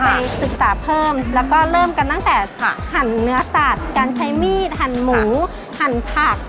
ศึกษาเพิ่มแล้วก็เริ่มกันตั้งแต่หั่นเนื้อสัตว์การใช้มีดหั่นหมูหั่นผัก